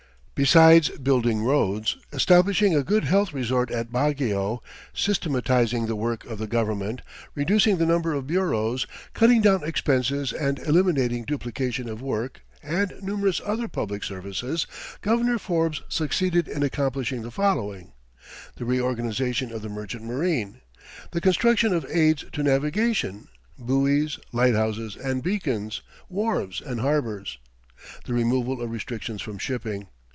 Besides building roads, establishing a good health resort at Baguio, systematizing the work of the government, reducing the number of bureaus, cutting down expenses and eliminating duplication of work, and numerous other public services, Governor Forbes succeeded in accomplishing the following: The reorganization of the merchant marine. The construction of aids to navigation buoys, lighthouses and beacons, wharves and harbours. The removal of restrictions from shipping.